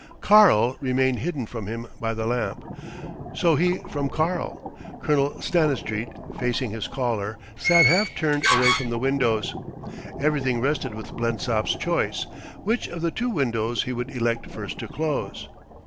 "Karl" remained hidden from him by the lamp, so he from "Karl." Colonel Stanistreet, facing his caller, sat half turned away from the windows. Everything rested with Blensop's choice, which of the two windows he would elect first to close.